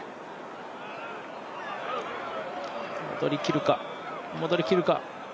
戻りきるか、戻りきるか。